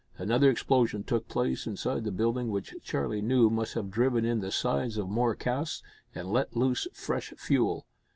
Another explosion took place inside the building, which Charlie knew must have driven in the sides of more casks and let loose fresh fuel.